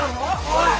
おい！